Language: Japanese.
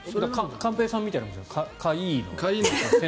寛平さんみたいなものですね。